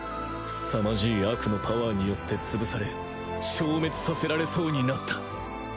すさまじい悪のパワーによってつぶされ消滅させられそうになった。